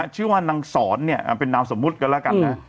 ชื่อว่านางสรเป็นนามสมมุติก็แล้วกันนะ